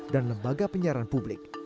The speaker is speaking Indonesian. dan lembaga penyiaran publik